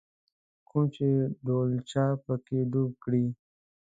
کوم چې ډولچه په کې ډوب کړې.